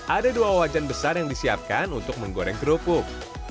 ada dua wajan besar yang disiapkan untuk menggoreng kerupuk